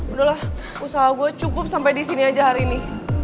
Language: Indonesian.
udah lah usaha gue cukup sampai disini aja hari ini